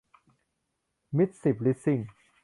มิตรสิบ ลิสซิ่ง